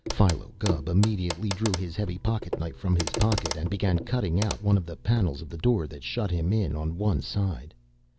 Philo Gubb immediately drew his heavy pocket knife from his pocket and began cutting out one of the panels of the door that shut him in on one side.